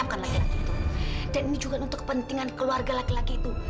dan ini juga untuk kepentingan keluarga laki laki itu